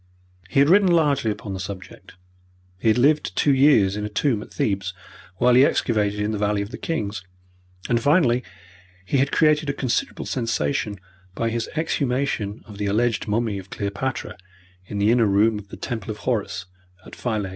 He had written largely upon the subject, he had lived two years in a tomb at Thebes, while he excavated in the Valley of the Kings, and finally he had created a considerable sensation by his exhumation of the alleged mummy of Cleopatra in the inner room of the Temple of Horus, at Philae.